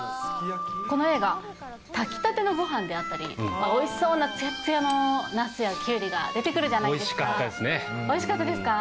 この映画、炊きたてのごはんであったり、おいしそうなつやつやのなすやきゅうりが出てくるじゃなおいしかったですね。